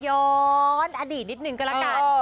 ย้อนอดีตนิดนึงก็แล้วกัน